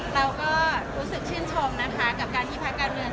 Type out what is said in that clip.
เราก็รู้สึกชื่นชมนะคะกับการที่พักการเมือง